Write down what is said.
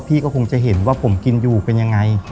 ก็คงจะเห็นว่าผมกินอยู่เป็นยังไง